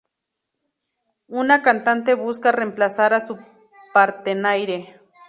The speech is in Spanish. Una cantante busca reemplazar a su partenaire.